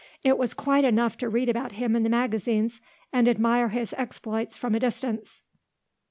It was quite enough to read about him in the magazines and admire his exploits from a distance.